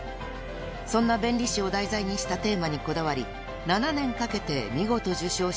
［そんな弁理士を題材にしたテーマにこだわり７年かけて見事受賞した南原さん］